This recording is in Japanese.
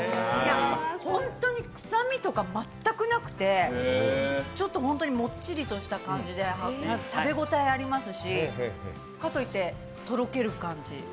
ホントに臭みとか全くなくてちょっとホントにもっちりとした感じで食べ応えありますしかといって、とろける感じ。